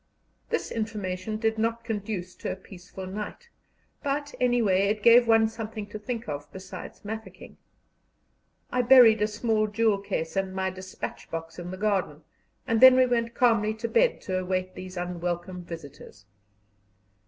This information did not conduce to a peaceful night, but, anyway, it gave one something to think of besides Mafeking. I buried a small jewel case and my despatch box in the garden, and then we went calmly to bed to await these unwelcome visitors.